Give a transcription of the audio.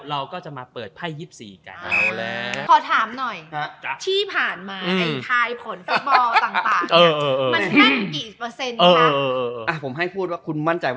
เราก็จะมาเปิดไพ่๒๔กัน